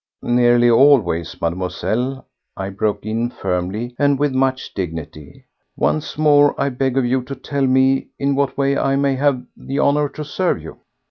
"Nearly always, Mademoiselle," I broke in firmly and with much dignity. "Once more I beg of you to tell me in what way I may have the honour to serve you."